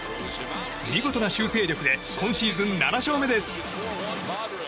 見事な修正力で今シーズン７勝目です。